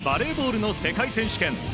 続いてはバレーボールの世界選手権。